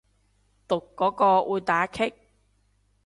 讀嗰個會打棘